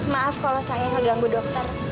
maaf kalau saya ngeganggu dokter